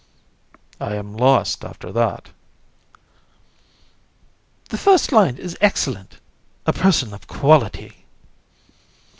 VISC. I am lost after that. COUN. The first line is excellent: "A person of quality."